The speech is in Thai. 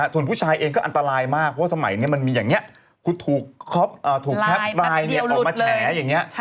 ส่วนผู้ชายเองก็อันตรายมากเพราะว่าสมัยนี้มันมีอย่างนี้คุณถูกแคปไลน์ออกมาแฉอย่างนี้